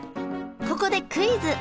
ここでクイズ！